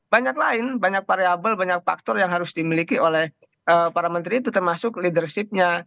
banyak lain banyak variable banyak faktor yang harus dimiliki oleh para menteri itu termasuk leadershipnya